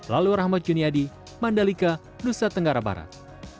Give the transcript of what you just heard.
lalu rahmat juniadi mandalika nusa tenggara barat